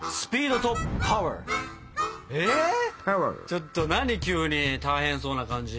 ちょっと何急に大変そうな感じ。